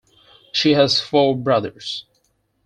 She has four brothers.